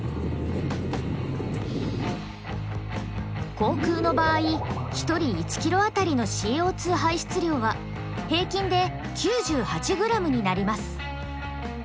航空の場合１人１ｋｍあたりのＣＯ排出量は平均で９８ｇになります。